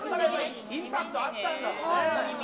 インパクトあったんだろうね。